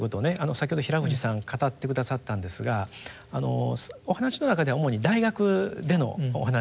先ほど平藤さん語って下さったんですがお話の中では主に大学でのお話でした。